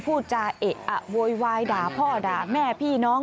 พูดจาเอะอะโวยวายด่าพ่อด่าแม่พี่น้อง